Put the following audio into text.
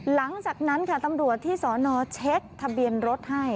หลังจากนั้นค่ะตำรวจที่สอนอเช็คทะเบียนรถให้